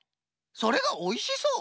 それがおいしそう？